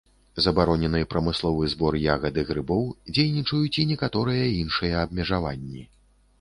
Забаронены прамысловы збор ягад і грыбоў, дзейнічаюць і некаторыя іншыя абмежаванні.